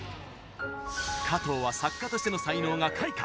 加藤は作家としての才能が開花！